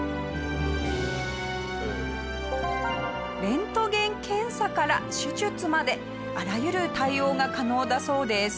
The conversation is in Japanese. レントゲン検査から手術まであらゆる対応が可能だそうです。